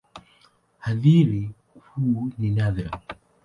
Athari kuu ni nadra.